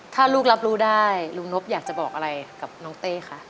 ถ้าลูกรับรู้ได้ลุงนบอยากจะบอกอะไรกับน้องเต้คะ